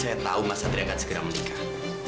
saya tau mas satria akan segera menikah